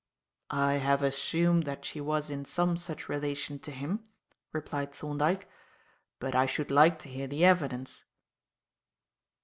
"I have assumed that she was in some such relation to him," replied Thorndyke, "but I should like to hear the evidence."